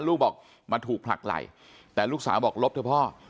ลูกบอกมาถูกผลักไหล่แต่ลูกสาวบอกลบเถอะพ่อ